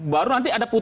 baru nanti ada putusan